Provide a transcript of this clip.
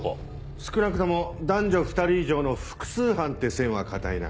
少なくとも男女２人以上の複数犯って線は堅いな。